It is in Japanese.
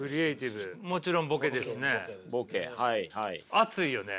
熱いよね。